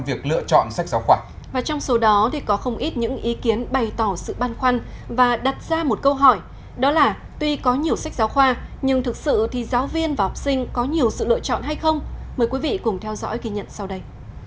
và trong số đó thì có không ít những ý kiến bày tỏ sự băn khoăn và đặt ra một câu hỏi đó là tuy có nhiều sách giáo khoa nhưng thực sự thì giáo viên và học sinh có nhiều sự lựa chọn hay không mời quý vị cùng theo dõi kỳ nhận sau đây